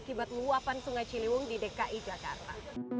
akibat luapan sungai ciliwung di dki jakarta